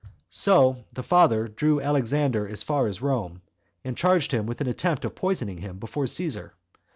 3. So the father drew Alexander as far as Rome, and charged him with an attempt of poisoning him before Caesar.